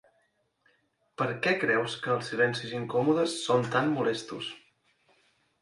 Per què creus que els silencis incòmodes són tan molestos?